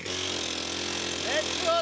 レッツゴー！